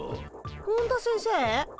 本田先生？